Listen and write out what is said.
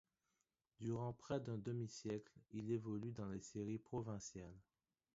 Durant près d'un demi-siècle, il évolue dans les séries provinciales.